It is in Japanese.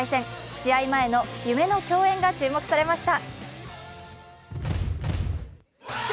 試合前の夢の競演が注目されました。